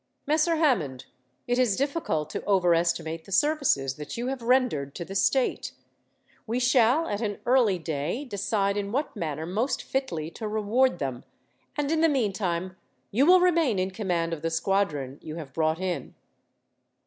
"Messer Hammond, it is difficult to overestimate the services that you have rendered to the state. We shall, at an early day, decide in what manner most fitly to reward them, and in the meantime you will remain in command of the squadron you have brought in."